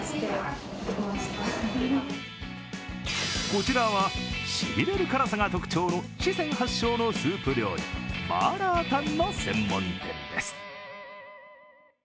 こちらは、しびれる辛さが特徴の四川発祥のスープ料理、麻辣湯の専門店です。